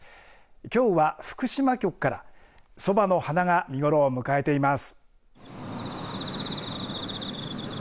きょうは、福島局からそばの花が見頃を迎えています。